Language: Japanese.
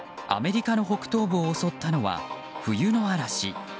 アメリカの北東部を襲ったのは冬の嵐。